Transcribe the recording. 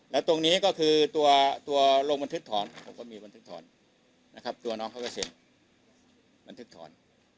แล้วตรงนี้ก็คือตัวลงบันทึกถอนผมก็มีบันทึกถอนนะครับตัวน้องเขาก็เซ็นบันทึกถอน